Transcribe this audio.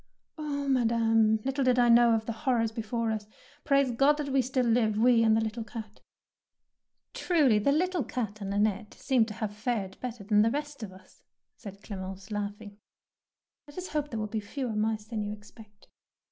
^' "Oh, Madame, little did I know of the horrors before us ! Praise Ood that we still live, we and the little cat." " Truly the little cat and Annette * seem to have fared better than the rest of us," said Clemence, laughing. " Let us hope there will be fewer mice than you expect."